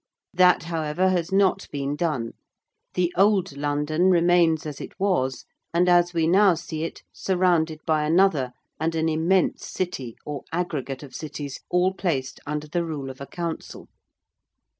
That, however, has not been done. The Old London remains as it was, and as we now see it, surrounded by another, and an immense City, or aggregate of cities, all placed under the rule of a Council.